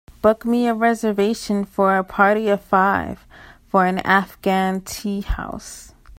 Book me a reservation for a party of five for an afghan tea house